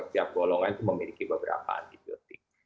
setiap golongan itu memiliki beberapa antibiotik